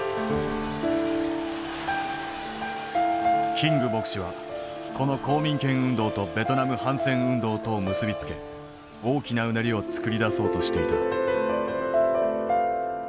キング牧師はこの公民権運動とベトナム反戦運動とを結び付け大きなうねりを作り出そうとしていた。